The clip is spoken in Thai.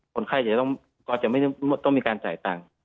คนไข้จะต้องมีการจ่ายตังค์